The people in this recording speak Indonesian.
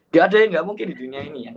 gak ada yang gak mungkin di dunia ini